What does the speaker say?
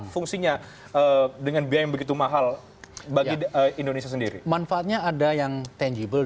fungsinya dengan biaya yang begitu mahal bagi indonesia sendiri manfaatnya ada yang tangible